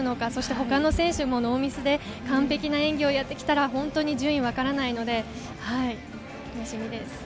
他の選手もノーミスで完璧な演技をやってきたら、順位わからないので楽しみです。